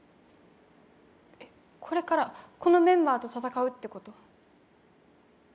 これから、このメンバーと戦うってこと？